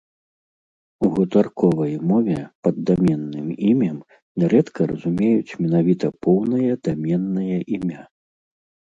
У гутарковай мове пад даменным імем нярэдка разумеюць менавіта поўнае даменнае імя.